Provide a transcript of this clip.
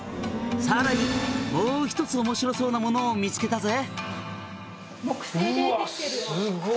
「さらにもう１つ面白そうなものを見つけたぜ」